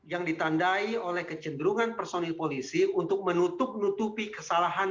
yang ditandai oleh kecenderungan personil polisi untuk menutup nutupi kesalahan